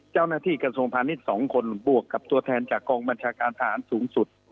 เจ้าหน้าที่กระทรวงพาณิชย์สองคนบวกกับตัวแทนจากกองบัญชาการฐานสูงสุด